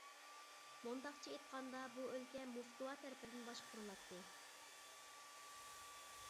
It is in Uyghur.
مۇنداقچە ئېيتقاندا بۇ ئۆلكە موسكۋا تەرىپىدىن باشقۇرۇلاتتى.